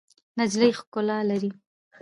نجلۍ ښکلا لري.